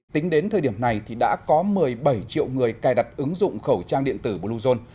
tính đến thời điểm này thì đã có một mươi bảy triệu người cài đặt ứng dụng khẩu trang điện tử bluezone